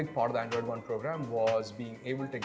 dan bagian besar dari program android one adalah